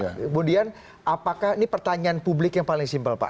kemudian apakah ini pertanyaan publik yang paling simpel pak